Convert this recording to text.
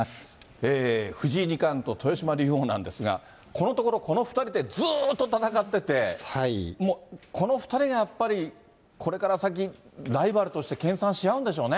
藤井二冠と豊島竜王なんですが、このところ、この２人でずっと戦ってて、もうこの２人がやっぱり、これから先、ライバルとして研さんし合うんでしょうね。